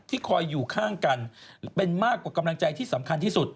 คอยอยู่ข้างกันเป็นมากกว่ากำลังใจที่สำคัญที่สุด